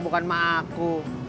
bukan emak aku